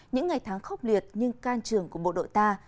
những ngày tháng khốc liệt nhưng can trường của bộ đội ta